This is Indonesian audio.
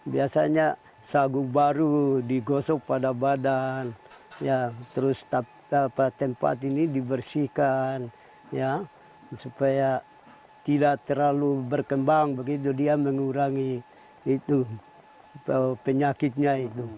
biasanya sagu baru digosok pada badan terus tempat ini dibersihkan supaya tidak terlalu berkembang begitu dia mengurangi penyakitnya itu